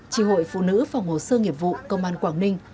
chỉ hội phụ nữ phòng hồ sơ nghiệp vụ công an quảng ninh